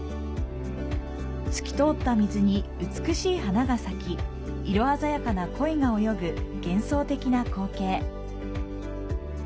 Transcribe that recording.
透き通った水に美しい花が咲き、色鮮やかな鯉が泳ぐ幻想的な光景。